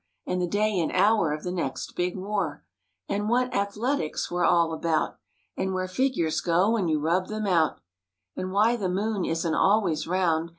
And the day and hour of the next big war, tj, ' /'tj/ffli And what athletics were all about, '' And where figures go when you rub them X out, '^ And why the moon isn't always round